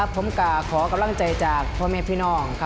ผมขอกำลังใจจากพ่อแม่พี่น้อง